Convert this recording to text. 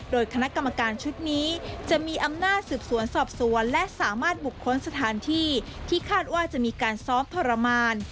โดยคณะกรรมการชุดนี้จะมีอำนาจสืบสวนสอบสวนและสามารถบุกค้นสถานที่ที่คาดว่าจะมีการซ้อมทรมาน